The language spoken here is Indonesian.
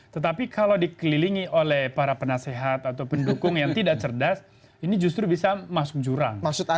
tetapi kalau dikelilingi oleh para penasehat atau pendukung yang tidak cerdas ini justru bisa masuk jurang